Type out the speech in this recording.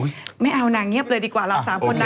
โอ้ยไม่เอาน่ะเงียบเลยดีกว่าเรา๓คน